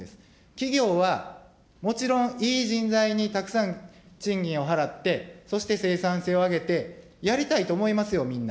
企業はもちろん、いい人材にたくさん賃金を払って、そして生産性を上げて、やりたいと思いますよ、みんな。